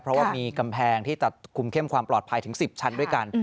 เพราะว่ามีกำแพงที่ตัดคุมเข้มความปลอดภัยถึง๑๐ชั้นด้วยกัน